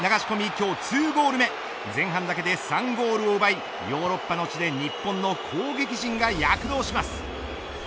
今日２ゴール目前半だけで３ゴールを奪いヨーロッパの地で日本の攻撃陣が躍動します。